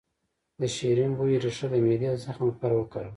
د شیرین بویې ریښه د معدې د زخم لپاره وکاروئ